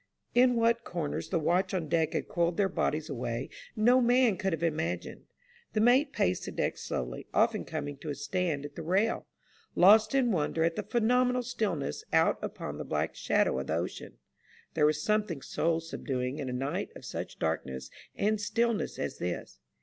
In what corners the watch on deck had coiled their bodies away no man could have imagined. The mate paced the deck slowly, often coming to a stand at the rail, lost in wonder at the phenomenal stillness out upon the black shadow of the ocean. There was something soul subduing in a night of such darkness and stillness as this.